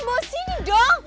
ian bawa sini dong